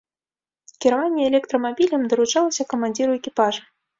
Кіраванне электрамабілем даручалася камандзіру экіпажа.